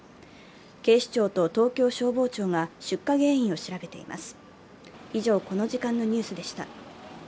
警視庁と東京消防庁が出火原因を調べています。